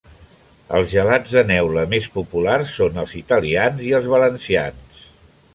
Els gelats de neula més populars són els italians i els valencians.